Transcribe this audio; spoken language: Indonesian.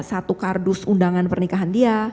satu kardus undangan pernikahan dia